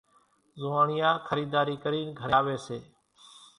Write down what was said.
زوئاڻيا خريداري ڪرين گھرين آوي سي